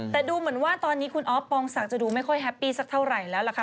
แต่ดูเหมือนว่าตอนนี้คุณอ๊อฟปองศักดิ์ดูไม่ค่อยแฮปปี้สักเท่าไหร่แล้วล่ะค่ะ